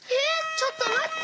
ちょっとまって！